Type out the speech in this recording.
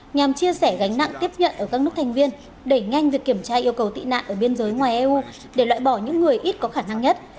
nhằm chia sẻ gánh nặng tiếp nhận ở các nước thành viên đẩy nhanh việc kiểm tra yêu cầu tị nạn ở biên giới ngoài eu để loại bỏ những người ít có khả năng nhất